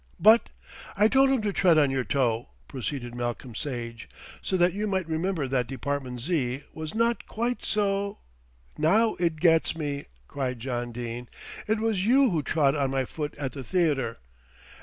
"But " "I told him to tread on your toe," proceeded Malcolm Sage, "so that you might remember that Department Z. was not quite so " "Now it gets me," cried John Dene. "It was you who trod on my foot at the theatre."